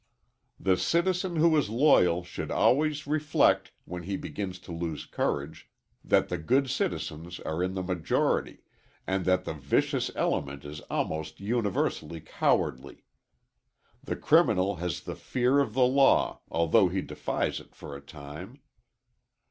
The citizen who is loyal should always reflect, when he begins to lose courage, that the good citizens are in the majority, and that the vicious element is almost universally cowardly. The criminal has the fear of the law although he defies it for a time.